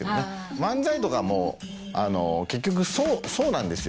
漫才とか結局そうなんですよ